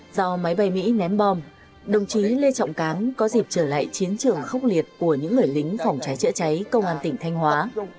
sau máy bay mỹ ném bom đồng chí lê trọng cáng có dịp trở lại chiến trường khốc liệt của những người lính phòng cháy chữa cháy công an tỉnh thanh hóa